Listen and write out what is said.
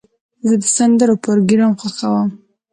زه د سندرو پروګرام خوښوم.